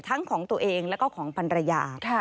ทั้งของตัวเองและก็ของพันรยา